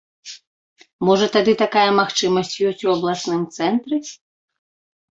Можа тады такая магчымасць ёсць у абласным цэнтры?